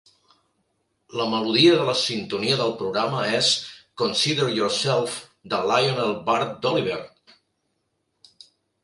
La melodia de la sintonia del programa és "Consider Yourself" de Lionel Bart d'Oliver!